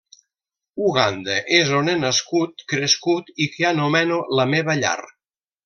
Uganda és on he nascut, crescut i que anomeno la meva llar.